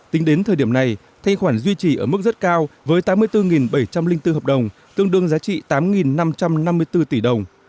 tính đến thời điểm này thanh khoản duy trì ở mức rất cao với tám mươi bốn bảy trăm linh bốn hợp đồng tương đương giá trị tám năm trăm năm mươi bốn tỷ đồng